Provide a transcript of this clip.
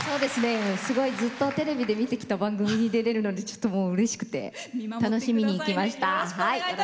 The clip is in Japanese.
すごいずっとテレビで見てきた番組に出れるので、うれしくて楽しみに来ました。